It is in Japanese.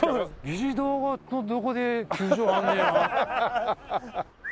議事堂の横で球場あんねや。